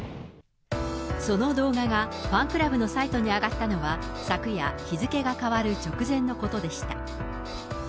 その動画がファンクラブのサイトに上がったのは、昨夜、日付が変わる直前のことでした。